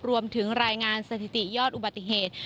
รวมถึงรายงานสถิติยอดอุบัติเหตุ